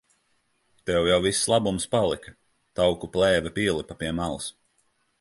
Tev jau viss labums palika. Tauku plēve pielipa pie malas.